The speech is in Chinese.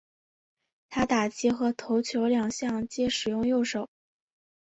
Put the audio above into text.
他打击和投球两项皆使用右手。